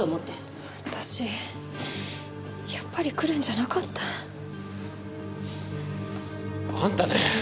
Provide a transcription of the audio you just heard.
私やっぱり来るんじゃなかった。あんたね。